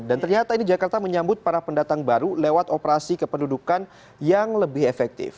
dan ternyata ini jakarta menyambut para pendatang baru lewat operasi kependudukan yang lebih efektif